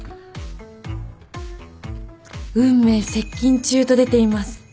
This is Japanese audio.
「運命接近中」と出ています。